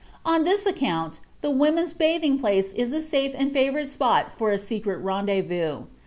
On this account, the women's bathing place is a safe and favorite spot for a secret rendezvous.